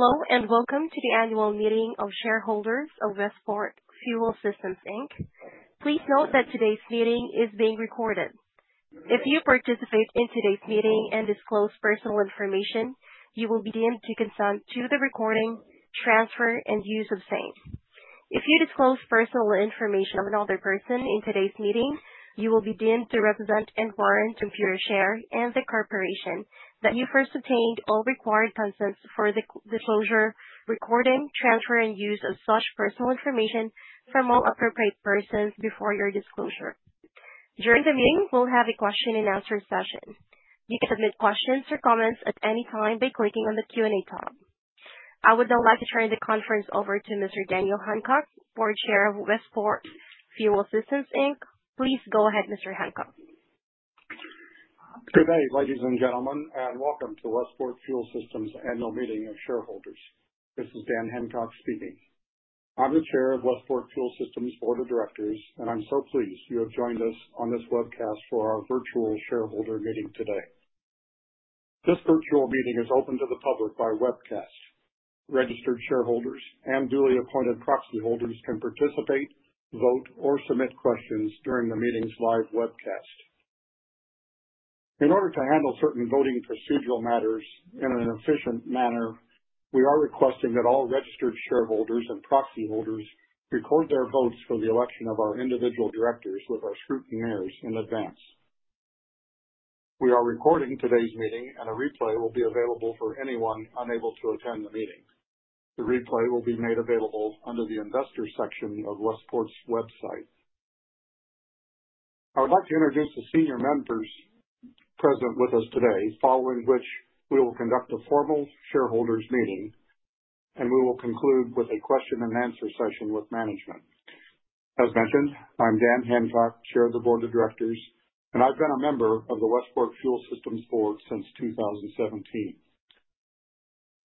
Hello, and welcome to the annual meeting of shareholders of Westport Fuel Systems, Inc. Please note that today's meeting is being recorded. If you participate in today's meeting and disclose personal information, you will be deemed to consent to the recording, transfer, and use of same. If you disclose personal information of another person in today's meeting, you will be deemed to represent and warrant to Computershare and the corporation that you first obtained all required consents for the disclosure, recording, transfer, and use of such personal information from all appropriate persons before their disclosure. During the meeting, we'll have a question and answer session. You can submit questions or comments at any time by clicking on the Q&A tab. I would now like to turn the conference over to Mr. Daniel Hancock, Board Chair of Westport Fuel Systems, Inc. Please go ahead, Mr. Hancock. Good day, ladies and gentlemen, and welcome to Westport Fuel Systems' annual meeting of shareholders. This is Daniel Hancock speaking. I'm the Chair of Westport Fuel Systems' Board of Directors, and I'm so pleased you have joined us on this webcast for our virtual shareholder meeting today. This virtual meeting is open to the public by webcast. Registered shareholders and duly appointed proxy holders can participate, vote, or submit questions during the meeting's live webcast. In order to handle certain voting procedural matters in an efficient manner, we are requesting that all registered shareholders and proxy holders record their votes for the election of our individual directors with our scrutineers in advance. We are recording today's meeting, and a replay will be available for anyone unable to attend the meeting. The replay will be made available under the investors section of Westport's website. I would like to introduce the senior members present with us today, following which we will conduct a formal shareholders meeting, and we will conclude with a question and answer session with management. As mentioned, I'm Daniel Hancock, Chair of the Board of Directors, and I've been a member of the Westport Fuel Systems board since 2017.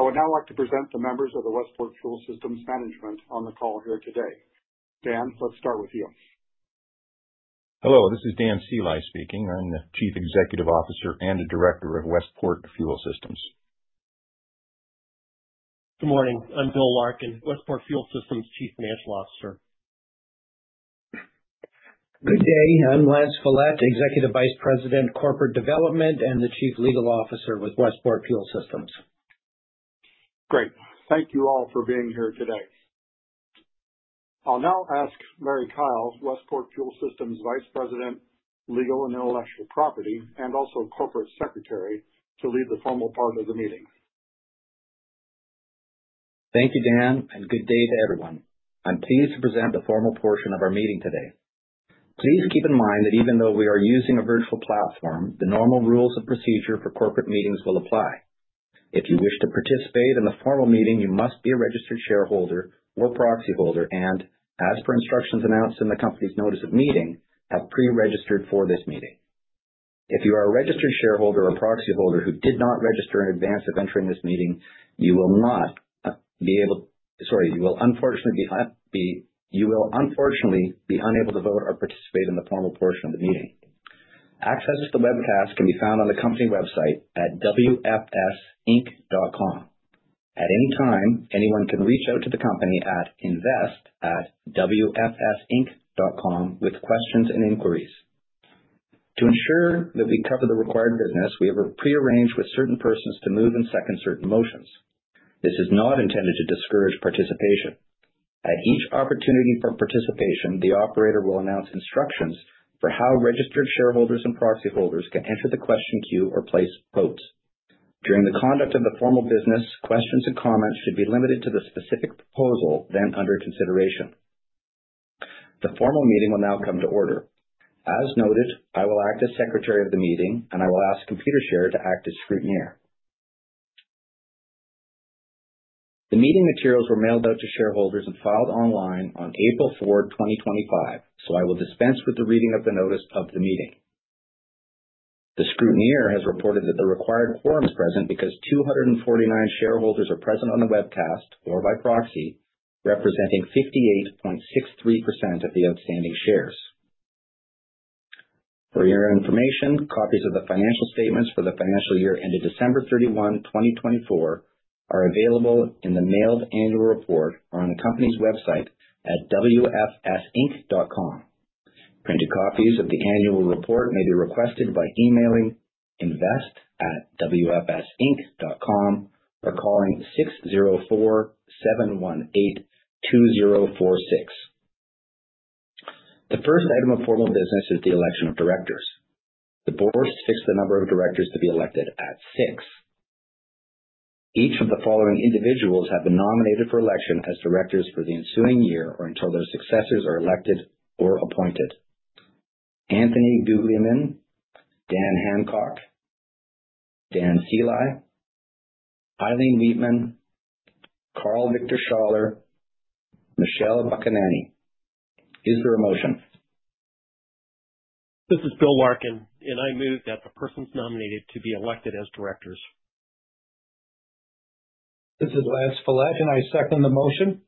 I would now like to present the members of the Westport Fuel Systems management on the call here today. Dan, let's start with you. Hello, this is Dan Sceli speaking. I'm the Chief Executive Officer and a Director at Westport Fuel Systems. Good morning. I'm Bill Larkin, Westport Fuel Systems Chief Financial Officer. Good day. I'm Lance Follett, Executive Vice President, Corporate Development, and the Chief Legal Officer with Westport Fuel Systems. Great. Thank you all for being here today. I'll now ask Larry Kyle, Westport Fuel Systems Vice President, Legal and Intellectual Property, and also Corporate Secretary, to lead the formal part of the meeting. Thank you, Dan, and good day to everyone. I am pleased to present the formal portion of our meeting today. Please keep in mind that even though we are using a virtual platform, the normal rules of procedure for corporate meetings will apply. If you wish to participate in the formal meeting, you must be a registered shareholder or proxy holder and, as per instructions announced in the company's notice of meeting, have pre-registered for this meeting. If you are a registered shareholder or proxy holder who did not register in advance of entering this meeting, you will unfortunately be unable to vote or participate in the formal portion of the meeting. Access to the webcast can be found on the company website at wfsinc.com. At any time, anyone can reach out to the company at invest@westport.com with questions and inquiries. To ensure that we cover the required business, we have prearranged with certain persons to move and second certain motions. This is not intended to discourage participation. At each opportunity for participation, the operator will announce instructions for how registered shareholders and proxy holders can enter the question queue or place votes. During the conduct of the formal business, questions and comments should be limited to the specific proposal then under consideration. The formal meeting will now come to order. As noted, I will act as Secretary of the meeting, and I will ask Computershare to act as scrutineer. The meeting materials were mailed out to shareholders and filed online on April fourth, 2025, so I will dispense with the reading of the notice of the meeting. The scrutineer has reported that the required quorum is present because 249 shareholders are present on the webcast or by proxy, representing 68.63% of the outstanding shares. For your information, copies of the financial statements for the financial year ended December 31st, 2024, are available in the mailed annual report on the company's website at wfsinc.com. Printed copies of the annual report may be requested by emailing invest@westport.com or calling 604-718-2046. The first item of formal business is the election of directors. The board fixed the number of directors to be elected at six. Each of the following individuals have been nominated for election as directors for the ensuing year or until their successors are elected or appointed. Tony Guglielmin, Dan Hancock, Dan Sceli, Ivy Nietman, Karl-Viktor Schaller, Michelle McInerney. Is there a motion? This is Bill Larkin. I move that the persons nominated to be elected as directors. This is Lance Follett, and I second the motion.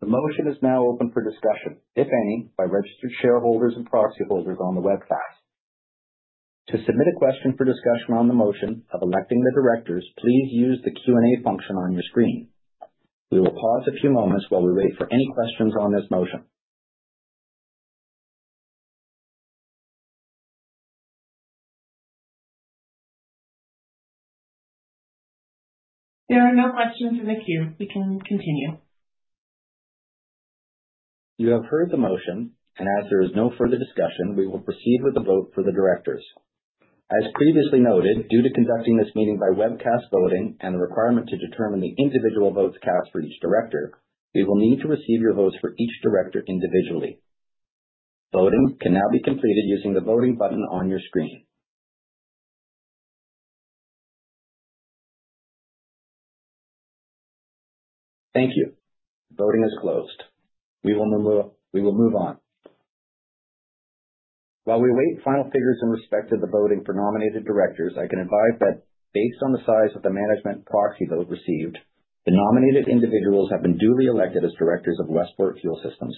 The motion is now open for discussion, if any, by registered shareholders and proxy holders on the webcast. To submit a question for discussion on the motion of electing the directors, please use the Q&A function on your screen. We will pause a few moments while we wait for any questions on this motion. There are no questions in the queue. We can continue. You have heard the motion, and as there is no further discussion, we will proceed with the vote for the directors. As previously noted, due to conducting this meeting by webcast voting and the requirement to determine the individual votes cast for each director, we will need to receive your votes for each director individually. Voting can now be completed using the voting button on your screen. Thank you. Voting is closed. We will move on. While we wait final figures in respect to the voting for nominated directors, I can advise that based on the size of the management proxy vote received, the nominated individuals have been duly elected as directors of Westport Fuel Systems.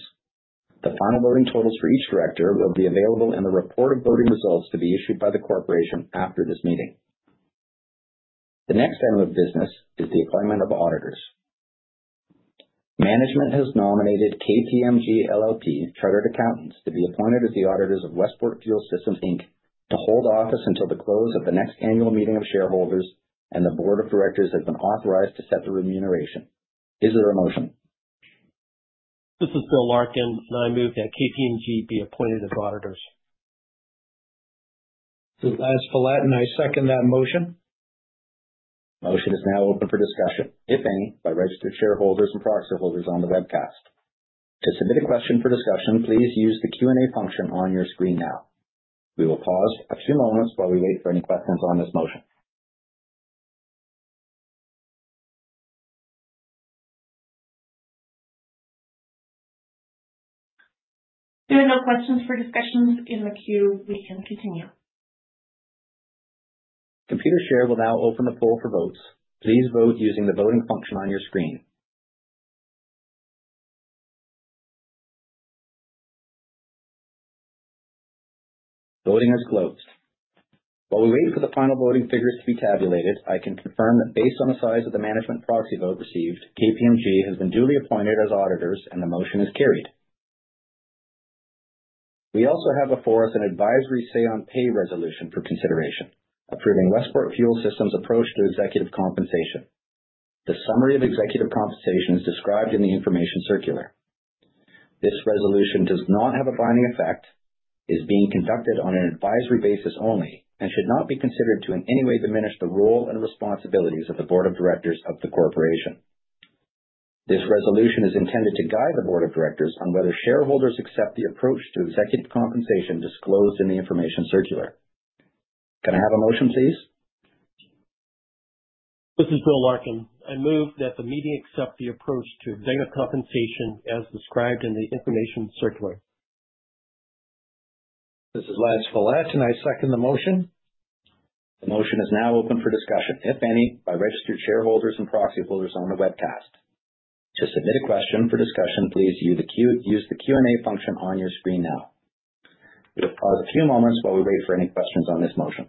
The final voting totals for each director will be available in the report of voting results to be issued by the corporation after this meeting. The next item of business is the appointment of auditors. Management has nominated KPMG LLP Chartered Accountants to be appointed as the auditors of Westport Fuel Systems Inc. to hold office until the close of the next annual meeting of shareholders, and the board of directors have been authorized to set the remuneration. Is there a motion? This is Bill Larkin. I move that KPMG be appointed as auditors. This is Lance Follett, and I second that motion. Motion is now open for discussion, if any, by registered shareholders and proxy holders on the webcast. To submit a question for discussion, please use the Q&A function on your screen now. We will pause a few moments while we wait for any questions on this motion. There are no questions for discussions in the queue. We can continue. Computershare will now open the poll for votes. Please vote using the voting function on your screen. Voting is closed. While we wait for the final voting figures to be tabulated, I can confirm that based on the size of the management proxy vote received, KPMG has been duly appointed as auditors, and the motion is carried. We also have a fourth, an advisory say-on-pay resolution for consideration, approving Westport Fuel Systems' approach to executive compensation. The summary of executive compensation is described in the information circular. This resolution does not have a binding effect, is being conducted on an advisory basis only, and should not be considered to in any way diminish the role and responsibilities of the board of directors of the corporation. This resolution is intended to guide the board of directors on whether shareholders accept the approach to executive compensation disclosed in the information circular. Can I have a motion, please? This is Bill Larkin. I move that the meeting accept the approach to executive compensation as described in the information circular. This is Lance Follett, and I second the motion. The motion is now open for discussion, if any, by registered shareholders and proxy holders on the webcast. To submit a question for discussion, please use the Q&A function on your screen now. We will pause a few moments while we wait for any questions on this motion.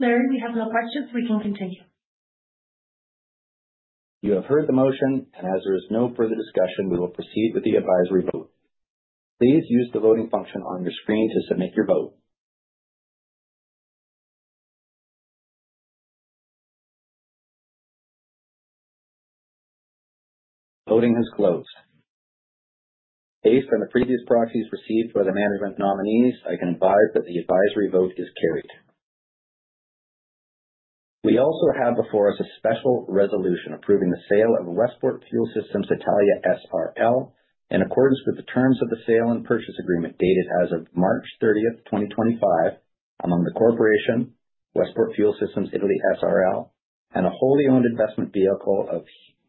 Larry, we have no questions. We can continue. You have heard the motion, and as there is no further discussion, we will proceed with the advisory vote. Please use the voting function on your screen to submit your vote. Voting is closed. Based on the previous proxies received for the management nominees, I can advise that the advisory vote is carried. We also have before us a special resolution approving the sale of Westport Fuel Systems Italia S.r.l. in accordance with the terms of the sale and purchase agreement dated as of March 30th, 2025, among the corporation, Westport Fuel Systems Italia S.r.l., and a wholly owned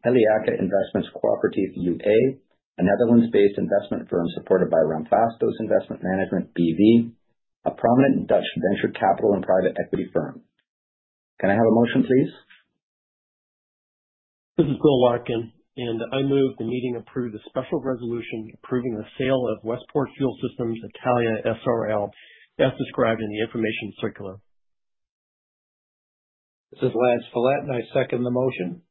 investment vehicle of Heliaca Investments Cooperative U.A., a Netherlands-based investment firm supported by Ramphastos Investment Management B.V., a prominent Dutch venture capital and private equity firm. Can I have a motion, please? This is Bill Larkin, and I move the meeting approve the special resolution approving the sale of Westport Fuel Systems Italia S.r.l., as described in the information circular. This is Lance Follett, and I second the motion.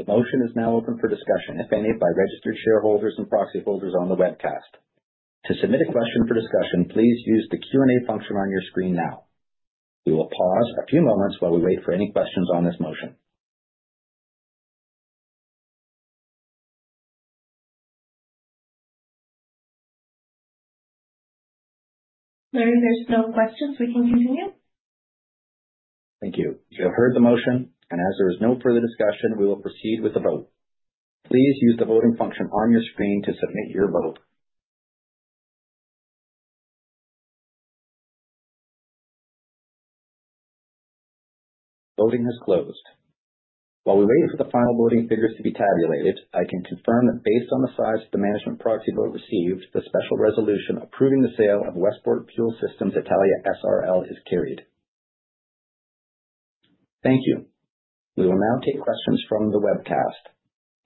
The motion is now open for discussion, if any, by registered shareholders and proxy holders on the webcast. To submit a question for discussion, please use the Q&A function on your screen now. We will pause a few moments while we wait for any questions on this motion. Larry, there's no questions. We can continue. Thank you. You have heard the motion, and as there is no further discussion, we will proceed with the vote. Please use the voting function on your screen to submit your vote. Voting is closed. While we wait for the final voting figures to be tabulated, I can confirm that based on the size of the management proxy vote received, the special resolution approving the sale of Westport Fuel Systems Italia S.r.l. is carried. Thank you. We will now take questions from the webcast.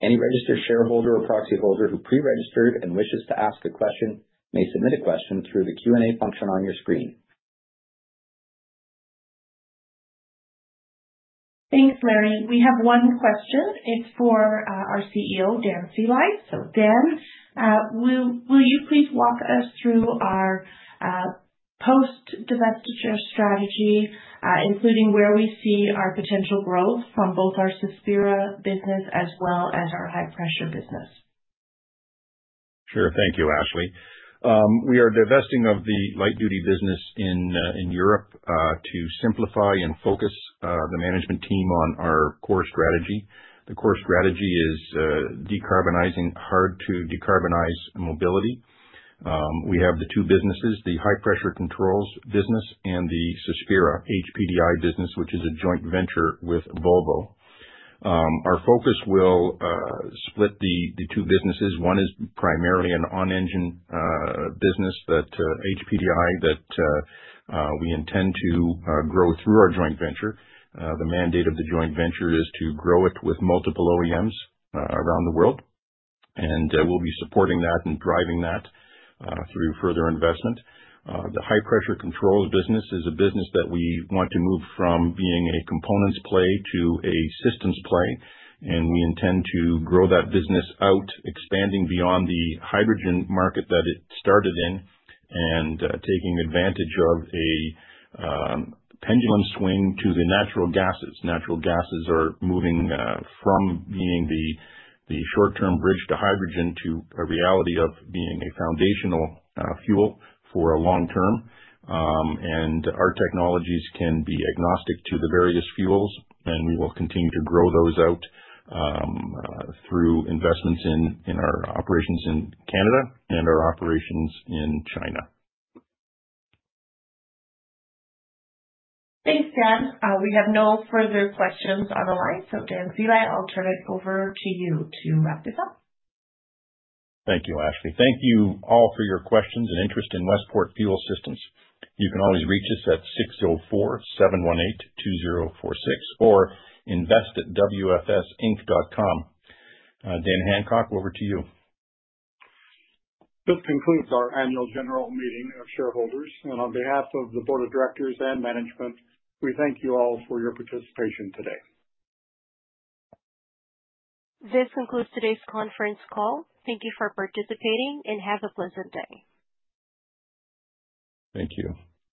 Any registered shareholder or proxyholder who pre-registered and wishes to ask a question may submit a question through the Q&A function on your screen. Thanks, Larry. We have one question. It's for our CEO, Dan Sceli. Dan, will you please walk us through our post-divestiture strategy, including where we see our potential growth from both our Cespira business as well as our high pressure business? Sure. Thank you, Ashley. We are divesting of the light duty business in Europe to simplify and focus the management team on our core strategy. The core strategy is decarbonizing hard to decarbonize mobility. We have the two businesses, the high pressure controls business and the Cespira HPDI business, which is a joint venture with Volvo. Our focus will split the two businesses. One is primarily an on-engine business, HPDI, that we intend to grow through our joint venture. The mandate of the joint venture is to grow it with multiple OEMs around the world. We'll be supporting that and driving that through further investment. The high pressure controls business is a business that we want to move from being a components play to a systems play, and we intend to grow that business out, expanding beyond the hydrogen market that it started in and taking advantage of a pendulum swing to the natural gases. Natural gases are moving from being the short-term bridge to hydrogen to a reality of being a foundational fuel for a long term. Our technologies can be agnostic to the various fuels, and we will continue to grow those out through investments in our operations in Canada and our operations in China. Thanks, Dan. We have no further questions on the line. Dan Sceli, I'll turn it over to you to wrap it up. Thank you, Ashley. Thank you all for your questions and interest in Westport Fuel Systems. You can always reach us at 604-718-2046 or invest@westport.com. Dan Hancock, over to you. This concludes our annual general meeting of shareholders, and on behalf of the board of directors and management, we thank you all for your participation today. This concludes today's conference call. Thank you for participating, and have a pleasant day. Thank you.